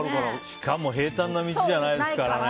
しかも平坦な道じゃないですからね。